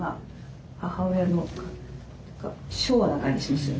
母親の昭和な感じしますよね。